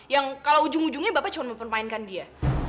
yang kalau ujung ujungnya bapak cuma mempermainkan dia